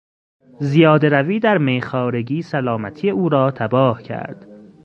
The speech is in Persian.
زیادهروی در میخوارگی سلامتی او را تباه کرد.